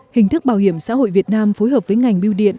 hình thức bảo hiểm xã hội việt nam phối hợp với ngành biêu điện